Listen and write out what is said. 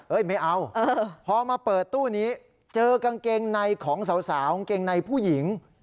ไม่เอาพอมาเปิดตู้นี้เจอกางเกงในของสาวกางเกงในผู้หญิง